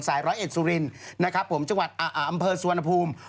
ร้อยเอ็ดสุรินจังหวะอสวนภูมิ